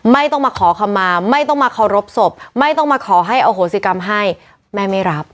ไม่ต้องมาขอคำมาไม่ต้องมาเคารพศพไม่ต้องมาขอให้อโหสิกรรมให้แม่ไม่รับ